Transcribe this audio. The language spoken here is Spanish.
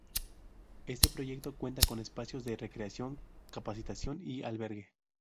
Este proyecto cuenta con espacios de recreación, capacitación y albergue.